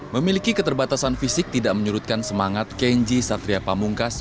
memiliki keterbatasan fisik tidak menyurutkan semangat kenji satria pamungkas